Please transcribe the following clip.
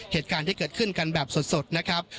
เหตุการณ์ที่เกิดขึ้นกันแบบสดนะครับ